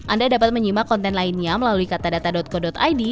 anda dapat menyimak konten lainnya melalui katadata co id